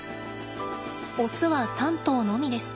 オスは３頭のみです。